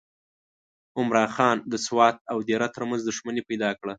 عمرا خان د سوات او دیر ترمنځ دښمني پیدا کړه.